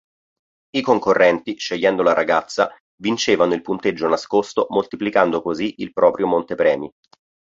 I concorrenti, scegliendo la ragazza, vincevano il punteggio nascosto moltiplicando così il proprio montepremi.